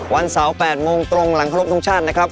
วันเสาร์๘โมงตรงหลังครบทรงชาตินะครับ